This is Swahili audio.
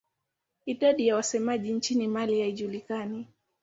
Idadi ya wasemaji nchini Mali haijulikani.